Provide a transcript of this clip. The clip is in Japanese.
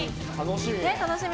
楽しみ。